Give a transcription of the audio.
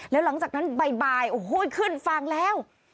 แล้วหลังจากนั้นบ่ายโอ้โหขึ้นฝั่งแล้ว